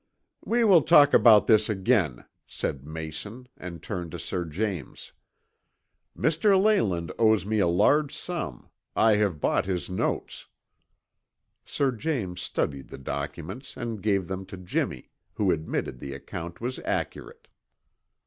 "We will talk about this again," said Mayson and turned to Sir James. "Mr. Leyland owes me a large sum; I have brought his notes." Sir James studied the documents and gave them to Jimmy, who admitted the account was accurate.